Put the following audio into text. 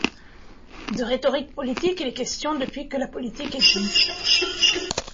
De rhétorique politique, il est question depuis que la politique existe.